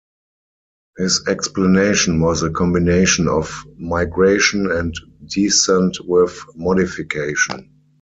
His explanation was a combination of migration and descent with modification.